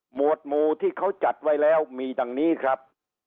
วดหมู่ที่เขาจัดไว้แล้วมีดังนี้ครับ